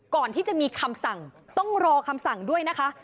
ก่อนที่จะมีคำสั่งต้องรอคำสั่งด้วยนะคะ